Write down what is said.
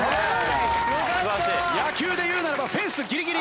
野球でいうならばフェンスギリギリ。